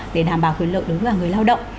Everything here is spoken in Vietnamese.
để đảm bảo quyền lợi đối với người lao động